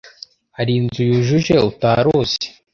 hari inzu yujuje utari uzi